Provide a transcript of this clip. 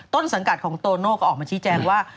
ต้นสังกัดของโตโน่ก็ออกมาชี้แจงว่า